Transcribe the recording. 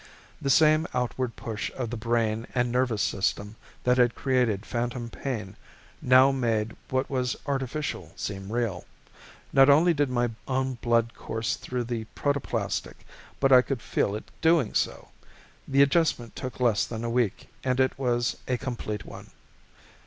The same outward push of the brain and nervous system that had created phantom pain now made what was artificial seem real. Not only did my own blood course through the protoplastic but I could feel it doing so. The adjustment took less than a week and it was a complete one.